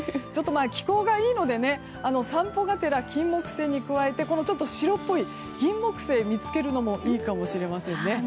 気候がいいので散歩がてらキンモクセイに加えてちょっと白っぽいギンモクセイを見つけるのもいいかもしれません。